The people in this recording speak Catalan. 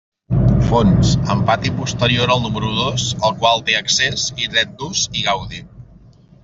Fons: amb pati posterior al número dos al qual té accés i dret d'ús i gaudi.